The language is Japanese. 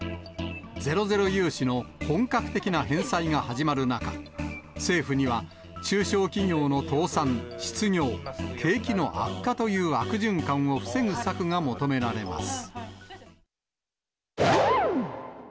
ゼロゼロ融資の本格的な返済が始まる中、政府には、中小企業の倒産、失業、景気の悪化という悪循環を防ぐ策が求められます。